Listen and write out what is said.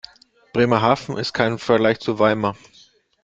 Bremerhaven ist kein Vergleich zu Weimar